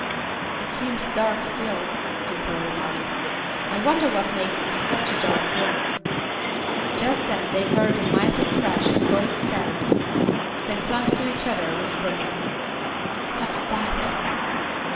"It seems dark still," Dimple remarked. "I wonder what makes this such a dark room." Just then they heard a mighty crash and both started, then clung to each other, whispering, "What's that?"